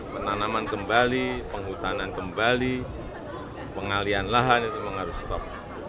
penanaman kembali penghutanan kembali pengalian lahan itu memang harus stop